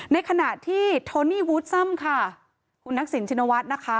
ในขณะที่โทนี่วูดซ่ำค่ะคุณทักษิณชินวัฒน์นะคะ